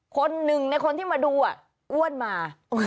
คนหนึ่งในคนที่มาดูอ้วนมา